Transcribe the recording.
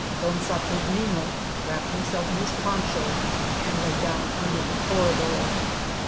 Don Saturnine wrapped himself in his poncha and lay down under the corridor.